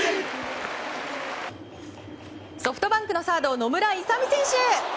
ソフトバンクのサード野村勇選手。